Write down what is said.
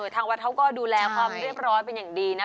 ทางวัดเขาก็ดูแลความเรียบร้อยเป็นอย่างดีนะ